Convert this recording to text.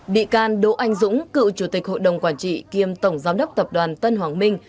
bị can đỗ anh dũng cựu chủ tịch hội đồng quản trị kiêm tổng giám đốc tập đoàn tân hoàng minh